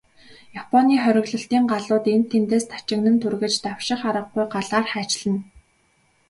Японы хориглолтын галууд энд тэндээс тачигнан тургиж, давших аргагүй галаар хайчилна.